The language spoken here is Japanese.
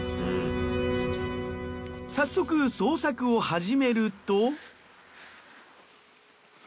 早速捜索を始めると。